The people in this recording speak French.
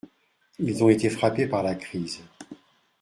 Ils ont été frappés par la crise.